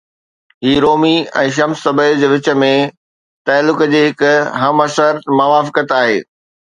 هي Rumi ۽ Shams Tabriz جي وچ ۾ تعلق جي هڪ همعصر موافقت آهي.